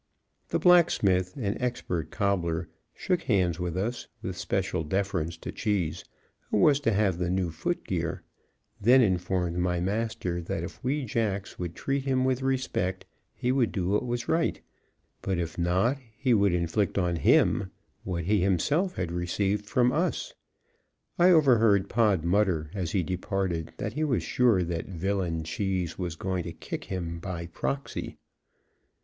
The blacksmith, an expert cobbler, shook hands with us, with special deference to Cheese, who was to have the new footgear, then informed my master that if we jacks would treat him with respect he would do what was right, but if not, he would inflict on him what he himself had received from us. I overheard Pod mutter as he departed that he was sure that villain Cheese was going to kick him by proxy.